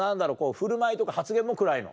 振る舞いとか発言も暗いの？